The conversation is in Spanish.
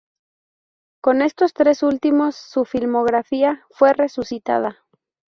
Con estos tres últimos, su filmografía fue resucitada.